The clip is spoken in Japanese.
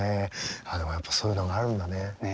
あっでもやっぱそういうのがあるんだね。ね。